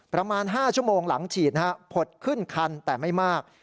ประมาณ๕ชั่วโมงหลังฉีดผดขึ้นคันแต่ไม่มาก